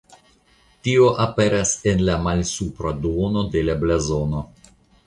Tio aperas en la malsupra duono de la blazono.